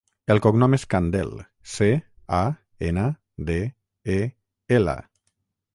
El cognom és Candel: ce, a, ena, de, e, ela.